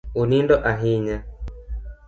Unindo ahinya